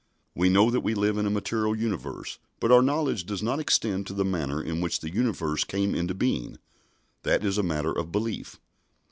We know that we live in a material universe, but our knowledge does not extend to the manner in which the universe came into being. That is a matter of belief.